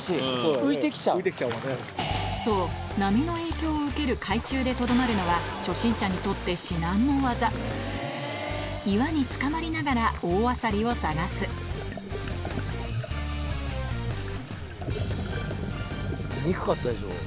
そう波の影響を受ける海中でとどまるのは初心者にとって岩につかまりながら大アサリを探す見にくかったでしょう？